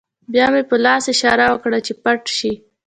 بیا مې په لاس اشاره وکړه چې پټ شئ